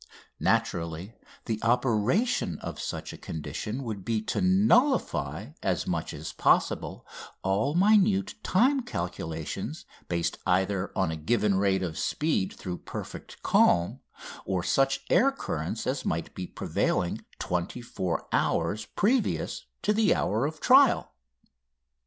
Naturally, the operation of such a condition would be to nullify as much as possible all minute time calculations based either on a given rate of speed through perfect calm or such air current as might be prevailing twenty four hours previous to the hour of trial.